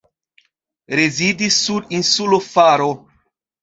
Rezidis sur insulo Faro.